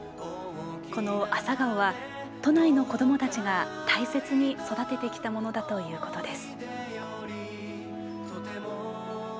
この朝顔は、都内の子どもたちが大切に育ててきたものだということです。